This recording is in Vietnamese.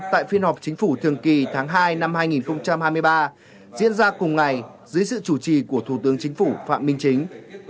tại phiên họp chính phủ thường kỳ tháng hai năm hai nghìn hai mươi ba diễn ra cùng ngày dưới sự chủ trì của thủ tướng chính phủ phạm minh chính